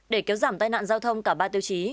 để kéo giảm tai nạn giao thông cả ba tiêu chí